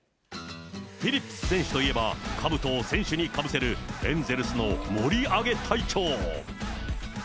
フィリップス選手といえば、かぶとを選手にかぶせるエンゼルスの盛り上げ隊長。